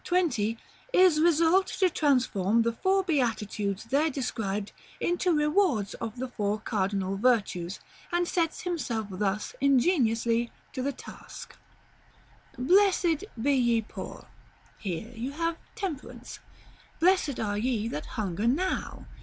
20, is resolved to transform the four Beatitudes there described into rewards of the four cardinal Virtues, and sets himself thus ingeniously to the task: "'Blessed be ye poor.' Here you have Temperance. 'Blessed are ye that hunger now.'